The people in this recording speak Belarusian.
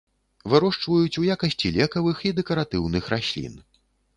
Вырошчваюць ў якасці лекавых і дэкаратыўных раслін.